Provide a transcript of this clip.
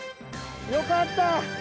よかった！